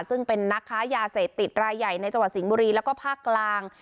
ซึ่งเป็นนักค้ายาเสพติดรายใหญ่ในจังหวัดสิงห์บุรีแล้วก็ภาคกลาง